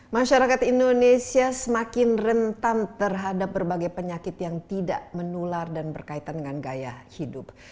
masyarakat indonesia semakin rentan terhadap berbagai penyakit yang tidak menular dan berkaitan dengan gaya hidup